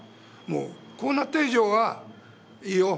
もうこうなった以上はいいよ